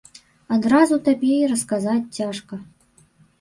Адразу табе і расказаць цяжка.